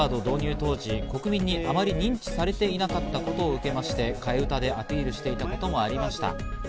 当時、国民にあまり認知されていなかったことを受けまして、替え歌でアピールしていたこともありました。